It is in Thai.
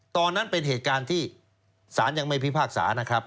ตอนนั้นเป็นเหตุการณ์ที่ศาลยังไม่พิพากษานะครับ